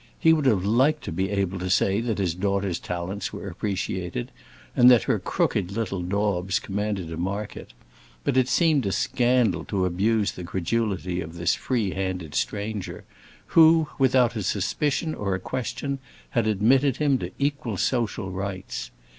He would have liked to be able to say that his daughter's talents were appreciated, and that her crooked little daubs commanded a market; but it seemed a scandal to abuse the credulity of this free handed stranger, who, without a suspicion or a question, had admitted him to equal social rights.